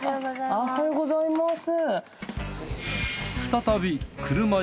おはようございます。